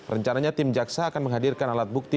rencananya tim jaksa akan menghadirkan alat bukti